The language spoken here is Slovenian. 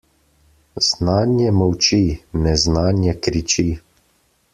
Znanje molči, neznanje kriči.